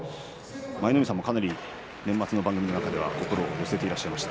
舞の海さんもかなり年末の番組の中では心寄せてらっしゃいました。